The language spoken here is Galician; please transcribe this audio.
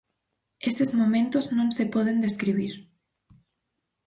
Eses momentos non se poden describir.